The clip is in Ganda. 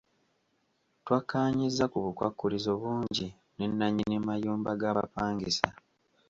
Twakkaanyizza ku bukwakkulizo bungi ne nannyini mayumba g'abapangisa.